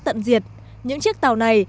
tận diệt những chiếc tàu này